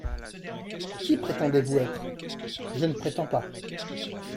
—Qui prétendez-vous être ? —Je ne prétends pas.